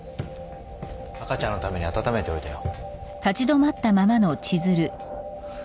赤ちゃんのために暖めておいたよ。